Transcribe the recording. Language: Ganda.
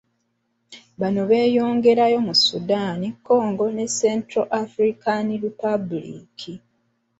Bano beeyongerayo mu Sudan, Congo ne Central African Republic.